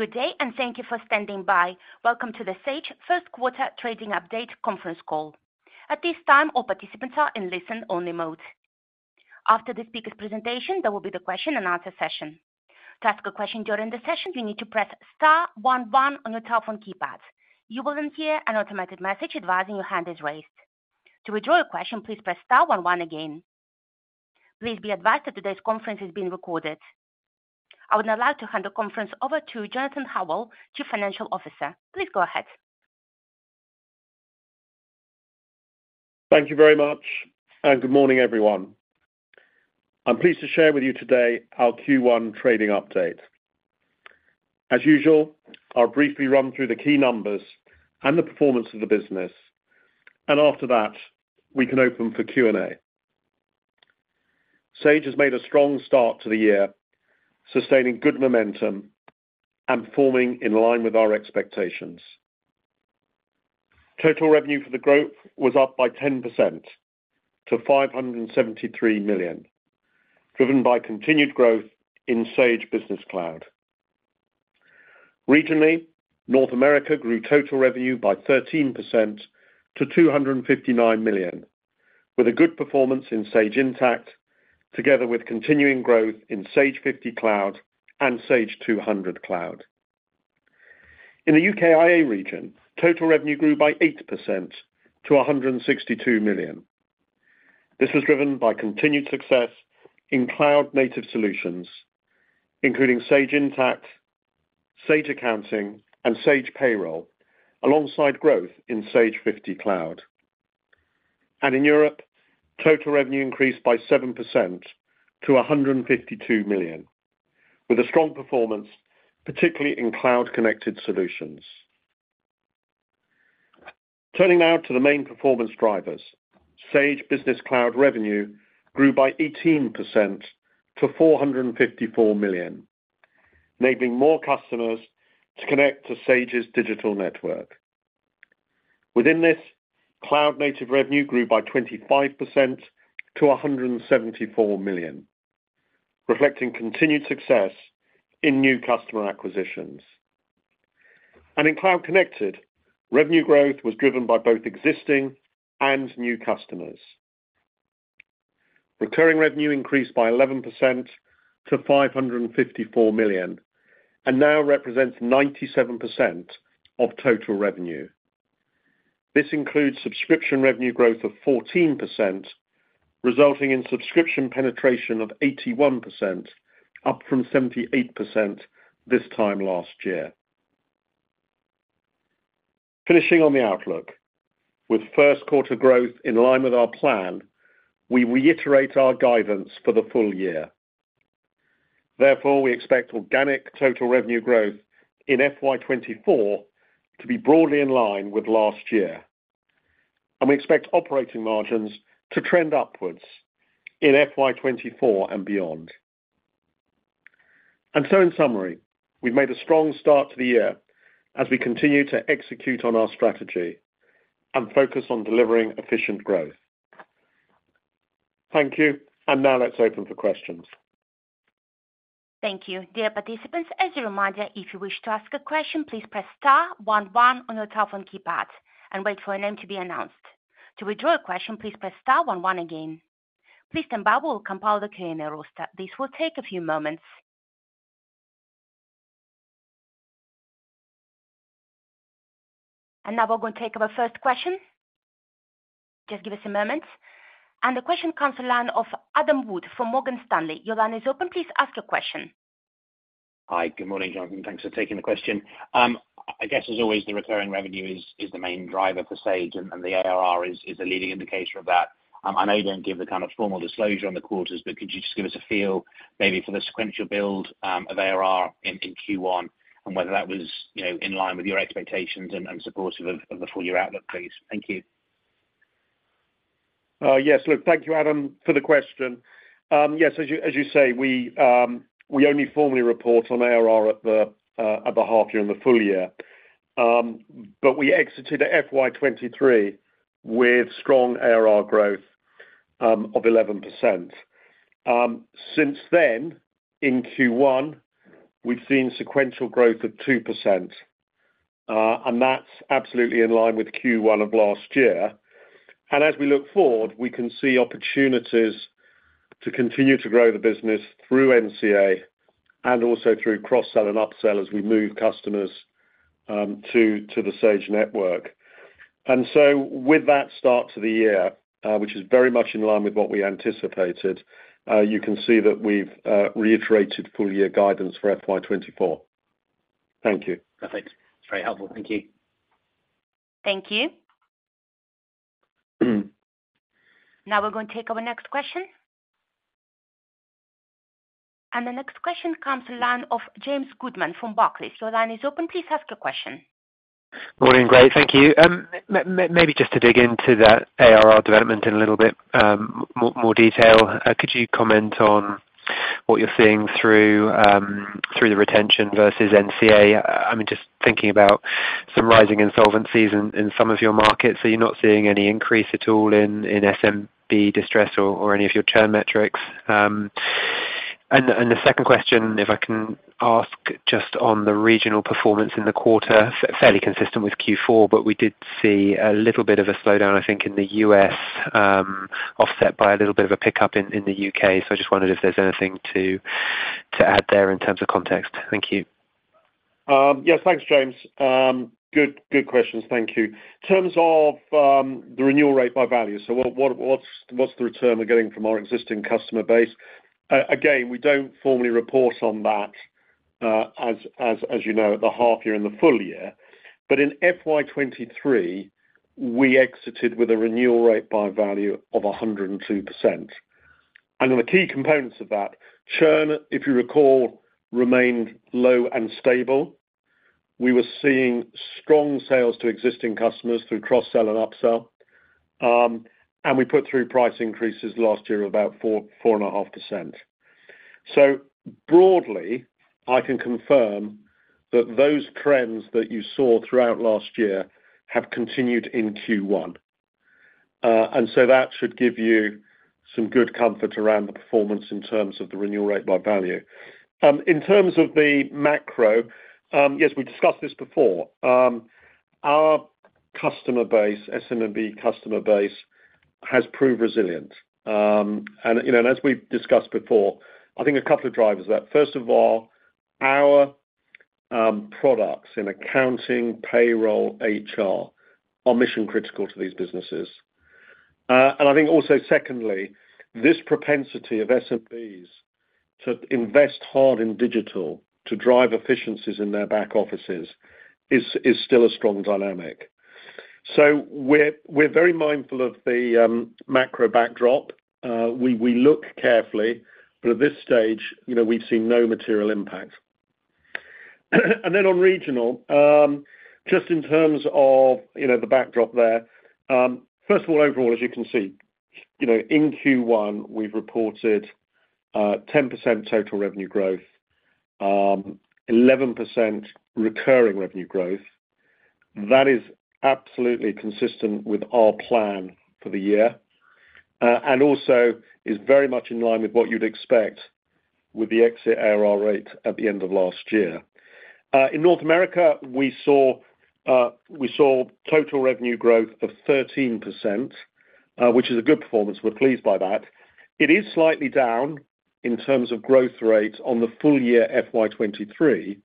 Good day, and thank you for standing by. Welcome to the Sage First Quarter Trading Update conference call. At this time, all participants are in listen-only mode. After the speaker's presentation, there will be the question and answer session. "To ask a question during the session, you need to press star one one" on your telephone keypad. You will then hear an automated message advising your hand is raised. "To withdraw your question, please press star one one" again. Please be advised that today's conference is being recorded. I would now like to hand the conference over to Jonathan Howell, Chief Financial Officer. Please go ahead. Thank you very much, and good morning, everyone. I'm pleased to share with you today our Q1 trading update. As usual, I'll briefly run through the key numbers and the performance of the business, and after that, we can open for Q&A. Sage has made a strong start to the year, sustaining good momentum and performing in line with our expectations. Total revenue for the growth was up by 10% to 573 million, driven by continued growth in Sage Business Cloud. Regionally, North America grew total revenue by 13% to 259 million, with a good performance in Sage Intacct, together with continuing growth in Sage 50 Cloud and Sage 200 Cloud. In the UKIA region, total revenue grew by 8% to 162 million. This was driven by continued success in cloud-native solutions, including Sage Intacct, Sage Accounting, and Sage Payroll, alongside growth in Sage 50 Cloud. In Europe, total revenue increased by 7% to 152 million, with a strong performance, particularly in cloud-connected solutions. Turning now to the main performance drivers, Sage Business Cloud revenue grew by 18% to 454 million, enabling more customers to connect to Sage's digital network. Within this, cloud-native revenue grew by 25% to 174 million, reflecting continued success in new customer acquisitions. In cloud connected, revenue growth was driven by both existing and new customers. Recurring revenue increased by 11% to 554 million, and now represents 97% of total revenue. This includes subscription revenue growth of 14%, resulting in subscription penetration of 81%, up from 78% this time last year. Finishing on the outlook, with first quarter growth in line with our plan, we reiterate our guidance for the full year. Therefore, we expect organic total revenue growth in FY 2024 to be broadly in line with last year, and we expect operating margins to trend upwards in FY 2024 and beyond. So in summary, we've made a strong start to the year as we continue to execute on our strategy and focus on delivering efficient growth. Thank you, and now let's open for questions. Thank you. Dear participants, as a reminder, if you wish to ask a question, "please press star one one" on your telephone keypad and wait for your name to be announced. "To withdraw your question, please press star one one" again. Please stand by while we compile the Q&A roster. This will take a few moments. Now we're going to take our first question. Just give us a moment. The question comes the line of Adam Wood from Morgan Stanley. Your line is open. Please ask your question. Hi, good morning, Jonathan. Thanks for taking the question. I guess, as always, the recurring revenue is the main driver for Sage, and the ARR is a leading indicator of that. I know you don't give the kind of formal disclosure on the quarters, but could you just give us a feel maybe for the sequential build of ARR in Q1, and whether that was, you know, in line with your expectations and supportive of the full year outlook, please? Thank you. Yes. Look, thank you, Adam, for the question. Yes, as you say, we only formally report on ARR at the half year and the full year. But we exited FY 2023 with strong ARR growth of 11%. Since then, in Q1, we've seen sequential growth of 2%, and that's absolutely in line with Q1 of last year. And as we look forward, we can see opportunities to continue to grow the business through NCA and also through cross-sell and upsell as we move customers to the Sage network. And so with that start to the year, which is very much in line with what we anticipated, you can see that we've reiterated full year guidance for FY 2024. Thank you. Perfect. It's very helpful. Thank you. Thank you. Now we're going to take our next question. The next question comes from the line of James Goodman from Barclays. Your line is open. Please ask your question. Morning, great. Thank you. Maybe just to dig into that ARR development in a little bit, more detail, could you comment on what you're seeing through the retention versus NCA? I mean, just thinking about some rising insolvencies in some of your markets. So you're not seeing any increase at all in SMB distress or any of your churn metrics? And the second question, if I can ask, just on the regional performance in the quarter, fairly consistent with Q4, but we did see a little bit of a slowdown, I think, in the U.S., offset by a little bit of a pickup in the U.K. So I just wondered if there's anything to add there in terms of context. Thank you. Yes, thanks, James. Good questions. Thank you. In terms of the renewal rate by value, so what's the return we're getting from our existing customer base? Again, we don't formally report on that, as you know, at the half year and the full year. But in FY 2023, we exited with a renewal rate by value of 102%. And then the key components of that, churn, if you recall, remained low and stable. We were seeing strong sales to existing customers through cross-sell and upsell, and we put through price increases last year of about 4-4.5%. So broadly, I can confirm that those trends that you saw throughout last year have continued in Q1. And so that should give you some good comfort around the performance in terms of the renewal rate by value. In terms of the macro, yes, we discussed this before. Our customer base, SMB customer base, has proved resilient. And, you know, and as we've discussed before, I think a couple of drivers of that. First of all, our, products in accounting, payroll, HR, are mission-critical to these businesses. And I think also, secondly, this propensity of SMBs to invest hard in digital to drive efficiencies in their back offices is, is still a strong dynamic. So we're, we're very mindful of the, macro backdrop. We, we look carefully, but at this stage, you know, we've seen no material impact. And then on regional, just in terms of, you know, the backdrop there. First of all, overall, as you can see, you know, in Q1, we've reported 10% total revenue growth, 11% recurring revenue growth. That is absolutely consistent with our plan for the year, and also is very much in line with what you'd expect with the exit ARR rate at the end of last year. In North America, we saw total revenue growth of 13%, which is a good performance. We're pleased by that. It is slightly down in terms of growth rate on the full year FY 2023.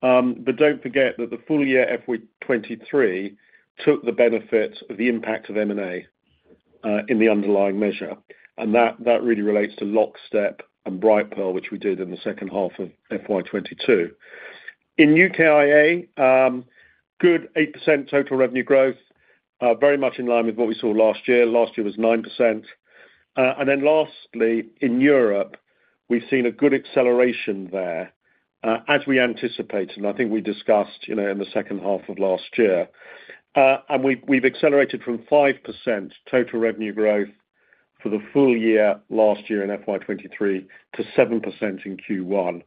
But don't forget that the full year FY 2023 took the benefit of the impact of M&A in the underlying measure, and that really relates to Lockstep and Brightpearl, which we did in the second half of FY 2022. In UKIA, good 8% total revenue growth, very much in line with what we saw last year. Last year was 9%. And then lastly, in Europe, we've seen a good acceleration there, as we anticipated, and I think we discussed, you know, in the second half of last year. And we've accelerated from 5% total revenue growth for the full year, last year in FY23, to 7% in Q1.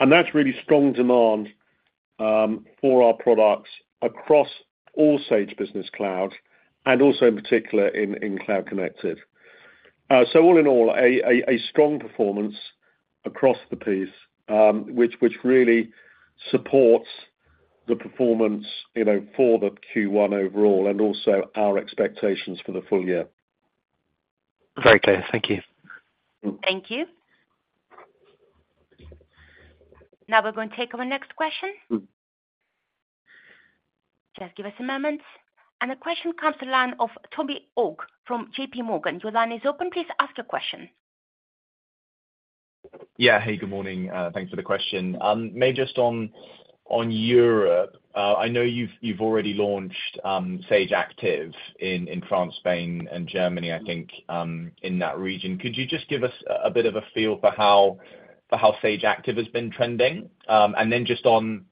And that's really strong demand for our products across all Sage Business Cloud, and also in particular in Cloud Connected. So all in all, a strong performance across the piece, which really supports the performance, you know, for the Q1 overall, and also our expectations for the full year. Very clear. Thank you. Thank you. Now we're going to take our next question. Just give us a moment. The question comes to the line of Toby Ogg from J.P. Morgan. Your line is open. Please ask your question. Yeah. Hey, good morning. Thanks for the question. Maybe just on, on Europe, I know you've, you've already launched, Sage Active in, in France, Spain, and Germany, I think, in that region. Could you just give us a, a bit of a feel for how, for how Sage Active has been trending? And then just on,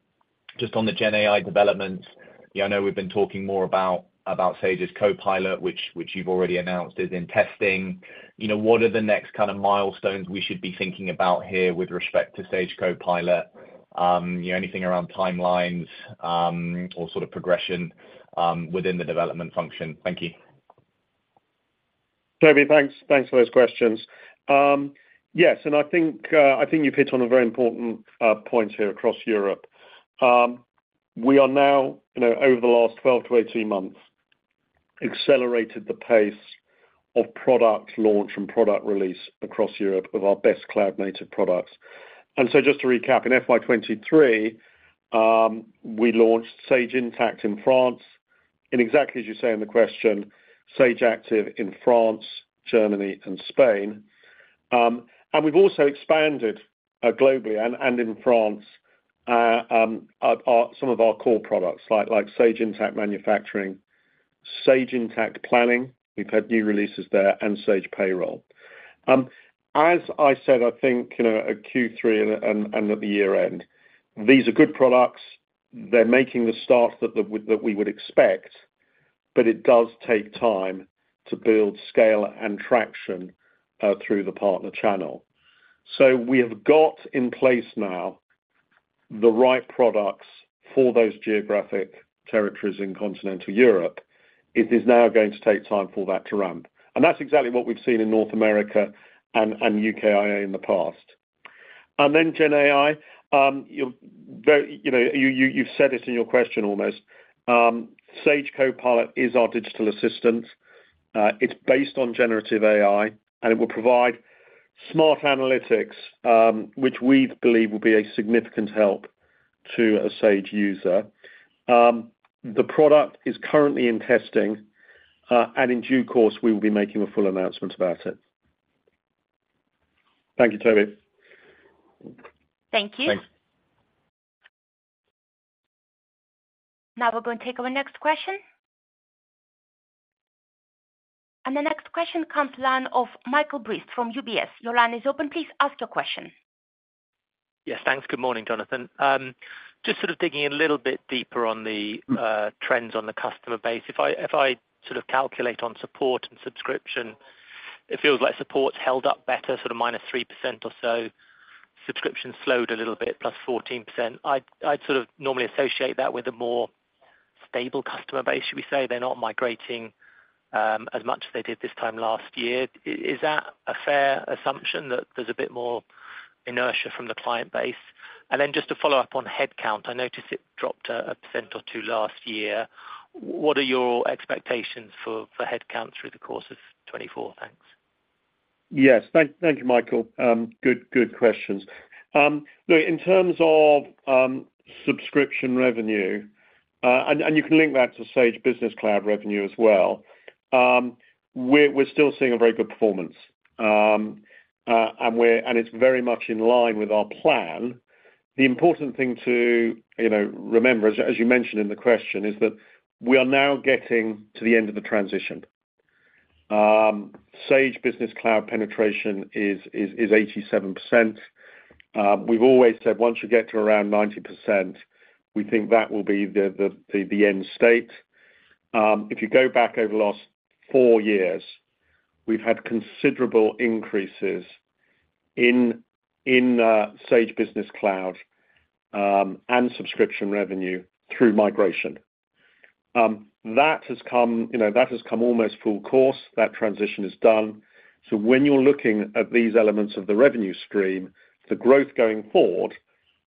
just on the Gen AI developments, yeah, I know we've been talking more about, about Sage's Copilot, which, which you've already announced is in testing. You know, what are the next kind of milestones we should be thinking about here with respect to Sage Copilot? You know, anything around timelines, or sort of progression, within the development function? Thank you. Toby, thanks. Thanks for those questions. Yes, and I think, I think you've hit on a very important point here across Europe. We are now, you know, over the last 12-18 months, accelerated the pace of product launch and product release across Europe of our best cloud-native products. And so just to recap, in FY 2023, we launched Sage Intacct in France, and exactly as you say in the question, Sage Active in France, Germany, and Spain. And we've also expanded globally and in France our some of our core products, like Sage Intacct Manufacturing, Sage Intacct Planning, we've had new releases there, and Sage Payroll. As I said, I think, you know, at Q3 and at the year end, these are good products. They're making the start that we would expect, but it does take time to build scale and traction through the partner channel. So we have got in place now the right products for those geographic territories in Continental Europe. It is now going to take time for that to ramp. And that's exactly what we've seen in North America and UK IA in the past. And then Gen AI, you know, you've said it in your question almost. Sage Copilot is our digital assistant. It's based on generative AI, and it will provide smart analytics, which we believe will be a significant help to a Sage user. The product is currently in testing, and in due course, we will be making a full announcement about it. Thank you, Toby. Thank you. Thanks. Now we're going to take our next question. The next question comes from the line of Michael Briest from UBS. Your line is open. Please ask your question. Yes, thanks. Good morning, Jonathan. Just sort of digging a little bit deeper on the Trends on the customer base. If I, if I sort of calculate on support and subscription, it feels like support's held up better, sort of -3% or so. Subscription slowed a little bit, +14%. I'd, I'd sort of normally associate that with a more stable customer base, should we say? They're not migrating, as much as they did this time last year. Is, is that a fair assumption that there's a bit more inertia from the client base? And then just to follow up on headcount, I noticed it dropped 1% or 2% last year. What are your expectations for, for headcount through the course of 2024? Thanks. Yes. Thank, thank you, Michael. Good, good questions. Look, in terms of, subscription revenue, and, and you can link that to Sage Business Cloud revenue as well, we're, we're still seeing a very good performance. And we're and it's very much in line with our plan. The important thing to, you know, remember, as, as you mentioned in the question, is that we are now getting to the end of the transition. Sage Business Cloud penetration is, is, is 87%. We've always said, once you get to around 90%, we think that will be the, the, the, the end state. If you go back over the last 4 years, we've had considerable increases in, in, Sage Business Cloud, and subscription revenue through migration. That has come, you know, that has come almost full course. That transition is done. So when you're looking at these elements of the revenue stream, the growth going forward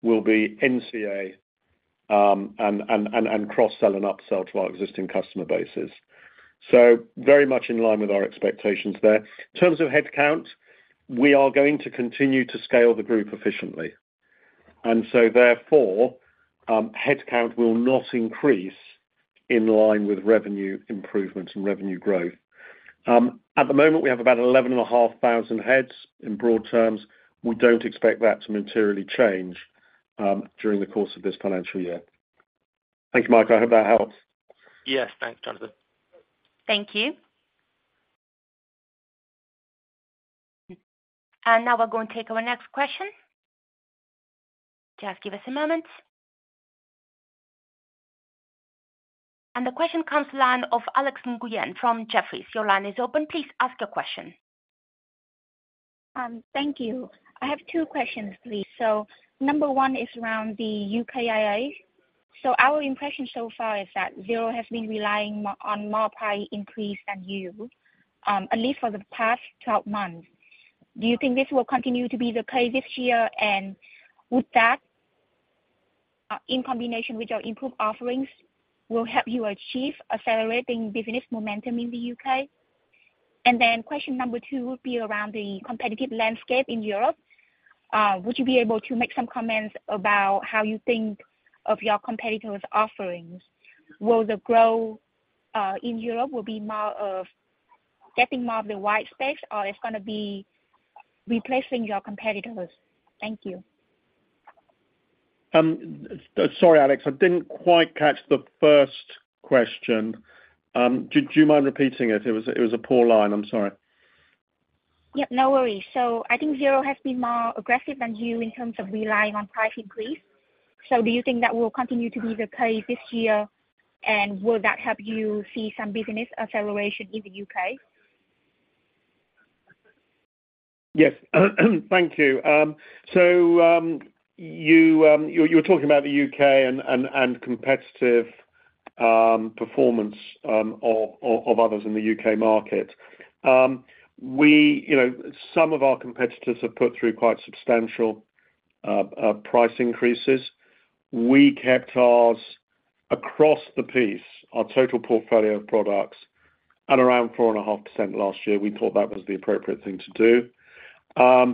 will be NCA, and cross-sell and upsell to our existing customer bases. So very much in line with our expectations there. In terms of headcount, we are going to continue to scale the group efficiently, and so therefore, headcount will not increase in line with revenue improvements and revenue growth. At the moment, we have about 11,500 heads, in broad terms. We don't expect that to materially change during the course of this financial year. Thank you, Michael. I hope that helps. Yes. Thanks, Jonathan. Thank you. Now we're going to take our next question. Just give us a moment. The question comes from the line of Alex Nguyen from Jefferies. Your line is open. Please ask your question. Thank you. I have two questions, please. So number one is around the UK IA. So our impression so far is that Xero has been relying more on price increase than you, at least for the past 12 months. Do you think this will continue to be the case this year, and would that, in combination with your improved offerings, will help you achieve accelerating business momentum in the UK? And then question number two would be around the competitive landscape in Europe. Would you be able to make some comments about how you think of your competitors' offerings? Will the growth in Europe be more of getting more of the white space, or it's gonna be replacing your competitors? Thank you. Sorry, Alex, I didn't quite catch the first question. Do you mind repeating it? It was a poor line. I'm sorry. Yep, no worries. So I think Xero has been more aggressive than you in terms of relying on price increase. So do you think that will continue to be the case this year, and will that help you see some business acceleration in the U.K.? Yes. Thank you. So, you're talking about the UK and competitive performance of others in the UK market. We... You know, some of our competitors have put through quite substantial price increases. We kept ours across the piece, our total portfolio of products, at around 4.5% last year. We thought that was the appropriate thing to do.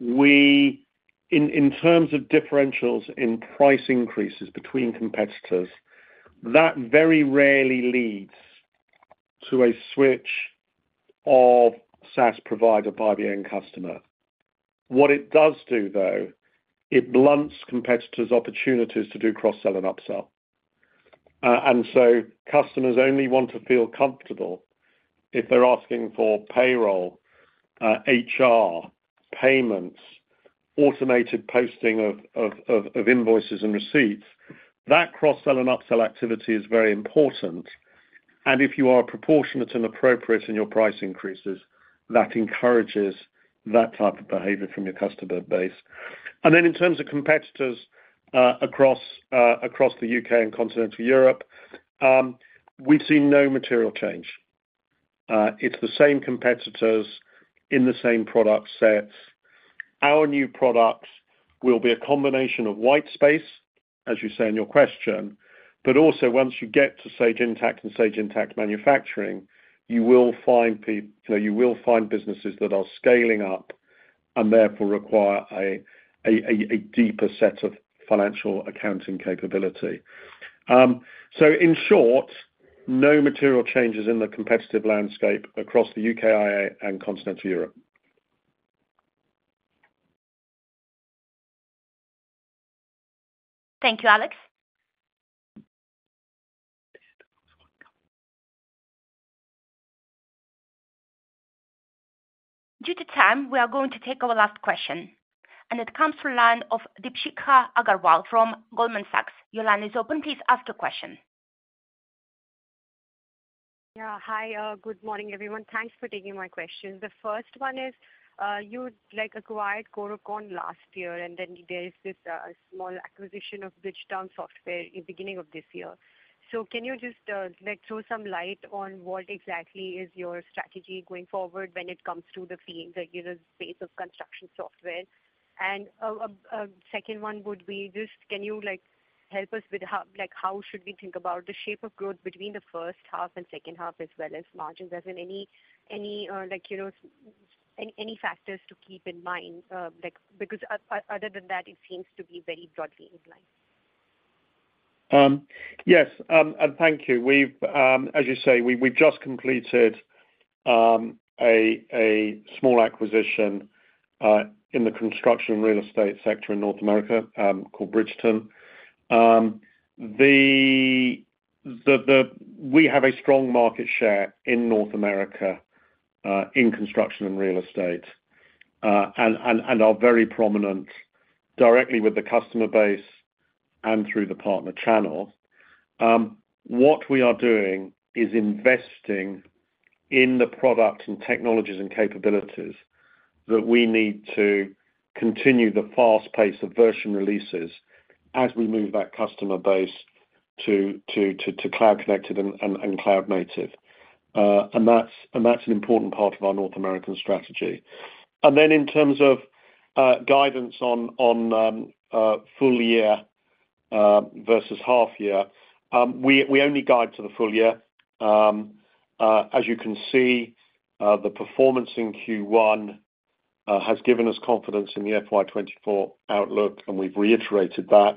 We, in terms of differentials in price increases between competitors, that very rarely leads to a switch of SaaS provider by the end customer. What it does do, though, it blunts competitors' opportunities to do cross-sell and upsell. And so customers only want to feel comfortable if they're asking for payroll, HR, payments, automated posting of invoices and receipts, that cross-sell and upsell activity is very important. If you are proportionate and appropriate in your price increases, that encourages that type of behavior from your customer base. Then in terms of competitors, across the UK and Continental Europe, we've seen no material change. It's the same competitors in the same product sets. Our new products will be a combination of white space, as you say in your question, but also once you get to Sage Intacct and Sage Intacct Manufacturing, you know, you will find businesses that are scaling up and therefore require a deeper set of financial accounting capability. So in short, no material changes in the competitive landscape across the UK IA and Continental Europe. Thank you, Alex. Due to time, we are going to take our last question, and it comes from the line of Deepshikha Agarwal from Goldman Sachs. Your line is open. Please ask the question. Yeah. Hi, good morning, everyone. Thanks for taking my question. The first one is, you like acquired Corecon last year, and then there is this, small acquisition of Bridgetown Software in beginning of this year. So can you just, like, throw some light on what exactly is your strategy going forward when it comes to the theme, like, you know, base of construction software? And, second one would be just, can you, like, help us with how—like, how should we think about the shape of growth between the first half and second half, as well as margins? As in any, like, you know, any factors to keep in mind, like because other than that, it seems to be very broadly in line. Yes, and thank you. We've, as you say, we just completed a small acquisition in the construction and real estate sector in North America, called Bridgetown. We have a strong market share in North America in construction and real estate and are very prominent directly with the customer base and through the partner channel. What we are doing is investing in the product and technologies and capabilities that we need to continue the fast pace of version releases as we move that customer base to Cloud Connected and Cloud Native. And that's an important part of our North American strategy. Then in terms of guidance on full year versus half year, we only guide to the full year. As you can see, the performance in Q1 has given us confidence in the FY 2024 outlook, and we've reiterated that.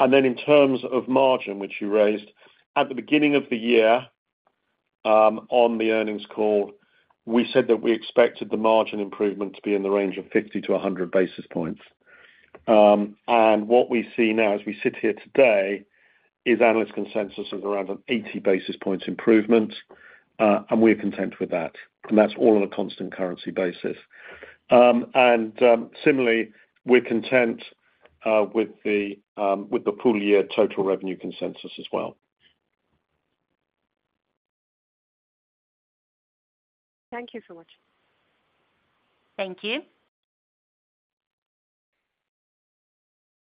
In terms of margin, which you raised, at the beginning of the year, on the earnings call, we said that we expected the margin improvement to be in the range of 50-100 basis points. And what we see now as we sit here today is analyst consensus is around an 80 basis points improvement, and we're content with that, and that's all on a constant currency basis. Similarly, we're content with the full year total revenue consensus as well. Thank you so much. Thank you.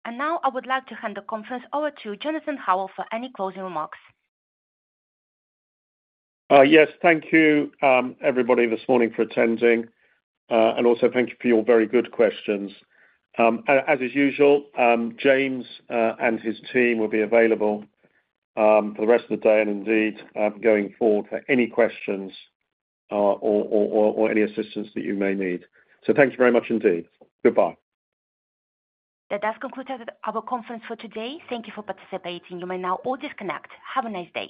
And now I would like to hand the conference over to Jonathan Howell for any closing remarks. Yes. Thank you, everybody, this morning for attending, and also thank you for your very good questions. As is usual, James and his team will be available for the rest of the day and indeed, going forward, for any questions or any assistance that you may need. So thanks very much indeed. Goodbye. That does conclude our conference for today. Thank you for participating. You may now all disconnect. Have a nice day.